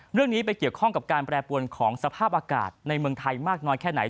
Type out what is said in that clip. เรื่องนี้ไปเกี่ยวข้องกับการแปรปวนของสภาพอากาศในเมืองไทยมากน้อยแค่ไหน